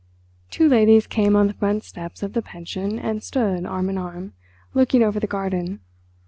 Two ladies came on the front steps of the pension and stood, arm in arm, looking over the garden.